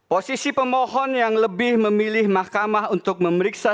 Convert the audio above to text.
posisi pemohon yang lebih memilih mahkamah untuk memeriksa